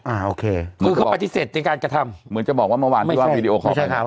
โอเคคือเขาปฏิเสธในการกระทำเหมือนจะบอกว่าเมื่อวานที่ว่าวีดีโอคอลไปทำ